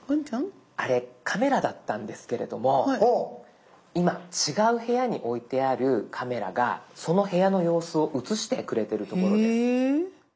あれカメラだったんですけれども今違う部屋に置いてあるカメラがその部屋の様子を映してくれてるところです。